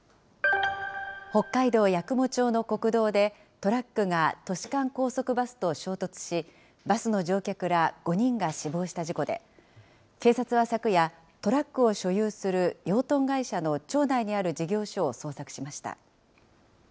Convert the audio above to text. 北海道八雲町の国道で、トラックが都市間高速バスと衝突し、バスの乗客ら５人が死亡した事故で、警察は昨夜、トラックを所有する養豚会社の町内にある事業所を捜索しました。